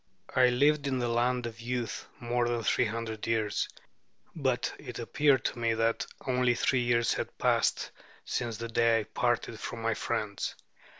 ] I lived in the Land of Youth more than three hundred years; but it appeared to me that only three years had passed since the day I parted from my friends.